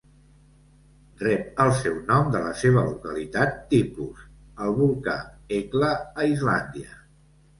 Rep el seu nom de la seva localitat tipus, el volcà Hekla, a Islàndia.